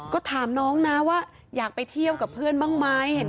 ก็ถามน้องนะว่าอยากไปเที่ยวกับเพื่อนบ้างไหม